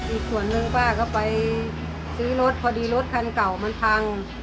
อีกส่วนหนึ่งป้าก็ไปซื้อรถพอดีรถคันเก่ามันพัง